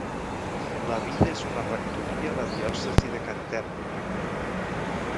La vida és una rectoria a la diòcesi de Canterbury.